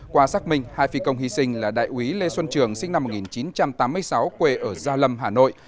qua xác minh hai phi công hy sinh là đại úy lê xuân trường sinh năm một nghìn chín trăm tám mươi sáu quê ở gia lâm hà nội